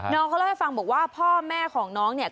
น้องเขาเล่าให้ฟังบอกว่าพ่อแม่ของน้องเนี่ย